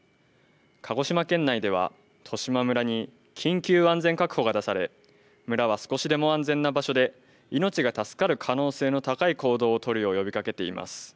鹿児島県内では十島村に緊急安全確保が出され村は少しでも安全な場所で命が助かる可能性の高い行動を取るよう呼びかけています。